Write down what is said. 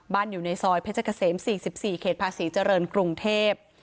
อยู่ในซอยเพชรเกษม๔๔เขตภาษีเจริญกรุงเทพ